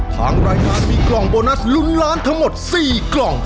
ทางรายการมีกล่องโบนัสลุ้นล้านทั้งหมด๔กล่อง